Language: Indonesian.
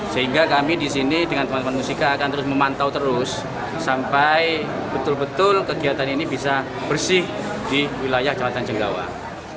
sehingga kami di sini dengan teman teman musika akan terus memantau terus sampai betul betul kegiatan ini bisa bersih di wilayah kecamatan jenggawang